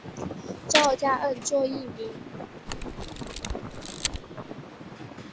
赵佳恩作艺名。